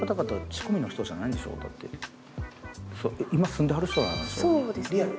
今住んではる人でしょ？